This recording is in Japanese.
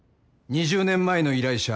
「２０年前の依頼者